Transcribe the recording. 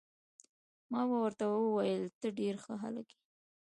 ما ورته وویل: ته ډیر ښه هلک يې.